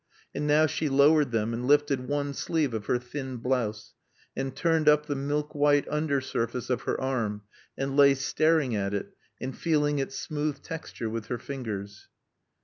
And now she lowered them and lifted one sleeve of her thin blouse, and turned up the milk white under surface of her arm and lay staring at it and feeling its smooth texture with her fingers.